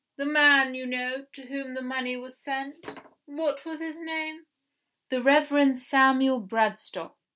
"The man, you know, to whom the money was sent. What was his name?" "The Reverend Samuel Bradstock."